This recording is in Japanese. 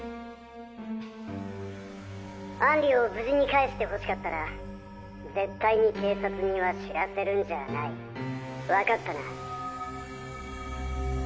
アンリを無事に返してほしかったら絶対に警察には知らせるんじゃないわかったな！